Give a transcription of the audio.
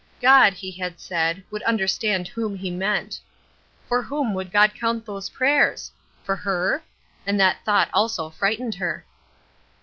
God, he had said, would understand whom he meant. For whom would God count those prayers? For her? And that thought also frightened her.